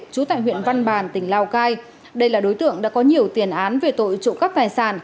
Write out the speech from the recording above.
trú tại huyện văn bàn tỉnh lào cai đây là đối tượng đã có nhiều tiền án về tội trộm cắp tài sản